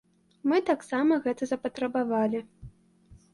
Мы таксама гэта запатрабавалі.